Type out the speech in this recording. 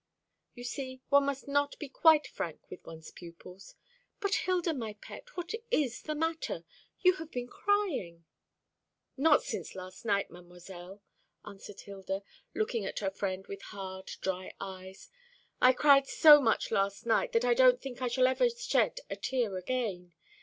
You see one must not be quite frank with one's pupils. But, Hilda, my pet, what is the matter? You have been crying!" "Not since last night, Mademoiselle," answered Hilda, looking at her friend with hard, dry eyes; "I cried so much last night that I don't think I shall ever shed a tear again.